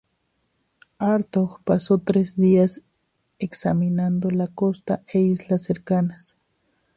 Hartog pasó tres días examinando la costa e islas cercanas.